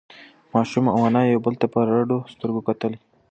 ماشوم او انا یو بل ته په رډو سترگو کتل.